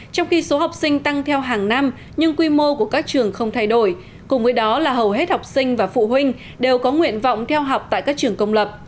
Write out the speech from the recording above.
trong khi số học sinh tăng theo hàng năm nhưng quy mô của các trường không thay đổi cùng với đó là hầu hết học sinh và phụ huynh đều có nguyện vọng theo học tại các trường công lập